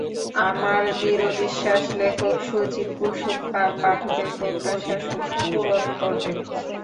আমার দৃঢ় বিশ্বাস লেখক সুজিত কুসুম পাল পাঠকের প্রত্যাশা পূরণ করবেন।